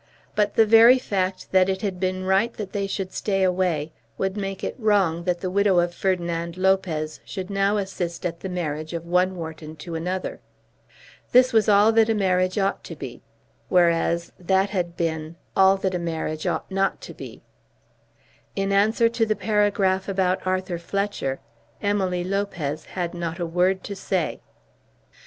But the very fact that it had been right that they should stay away would make it wrong that the widow of Ferdinand Lopez should now assist at the marriage of one Wharton to another. This was all that a marriage ought to be; whereas that had been all that a marriage ought not to be. In answer to the paragraph about Arthur Fletcher Emily Lopez had not a word to say.